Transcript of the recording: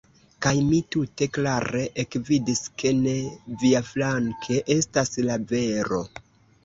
Kaj mi tute klare ekvidis, ke ne viaflanke estas la vero!